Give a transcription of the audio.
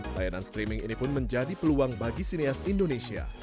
layanan streaming ini pun menjadi peluang bagi sineas indonesia